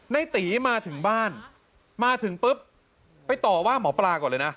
ในตีมาถึงบ้านมาถึงปุ๊บไปต่อว่าหมอปลาก่อนเลยนะ